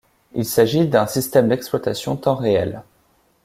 Il s'agit d'un système d'exploitation temps-réel.